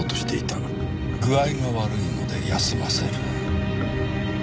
「具合が悪いので休ませる」。